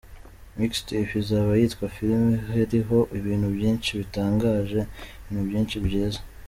MixTape izaba yitwa Filime hariho ibintu byinshi bitangaje, ibintu byinshi byiza.